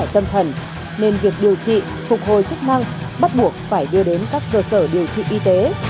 tâm thần nên việc điều trị phục hồi chức năng bắt buộc phải đưa đến các cơ sở điều trị y tế